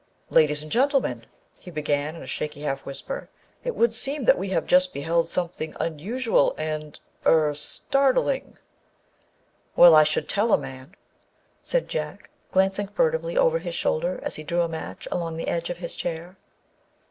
" Ladies and gentlemen," he began in a shaky half whisper, " it would seem that we have just beheld something unusual and â er â startling." " Well, I should tell a man !" said Jack, glancing furtively over his shoulder as he drew a match along the edge of his chair.